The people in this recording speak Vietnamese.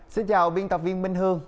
xin chào biên tập viên minh hương